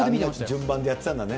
順番でやってたんだね。